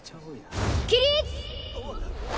起立！